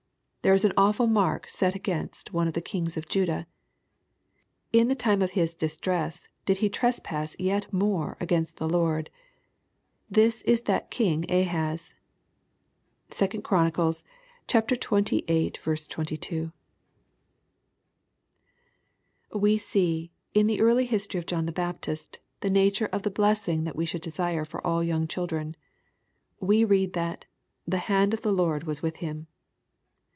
There is an awful mark set against one of the kings of Judah :^^ In the time of his distress he did trespass jet more against the Lord : this is that king Ahaz." (2 Chron. xxviii. 22.) We see in the early history of John Baptist the nature of the blessing that we should desire for all young children. We read that " the hand of the Lord was with him."